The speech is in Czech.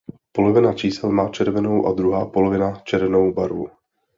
Polovina čísel má červenou a druhá polovina černou barvu.